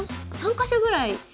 か所ぐらい。